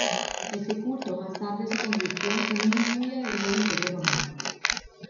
Este culto más tarde se convirtió en uno muy adherido al Imperio Romano.